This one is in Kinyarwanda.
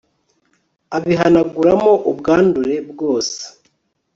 abihanaguramo ubwandure bwose